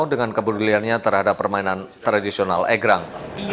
dengan keduduliannya terhadap permainan tradisional egrang